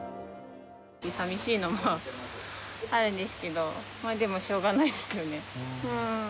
寂しいのもあるんですけど、まあでも、しょうがないですよね。